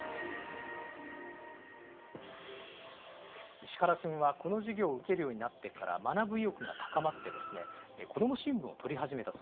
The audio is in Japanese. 石原君はこの授業を受けるようになってから学ぶ意欲が高まってですね子ども新聞を取り始めたそうです。